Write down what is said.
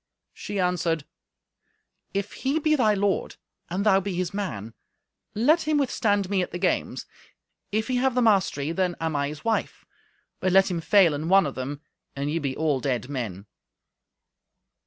She answered, "If he be thy lord, and thou be his man, let him withstand me at the games. If he have the mastery, then I am his wife, but let him fail in one of them, and ye be all dead men."